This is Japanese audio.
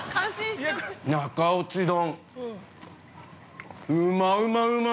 中落ち丼◆